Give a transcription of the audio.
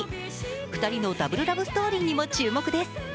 ２人のダブルラブストーリーにも注目です。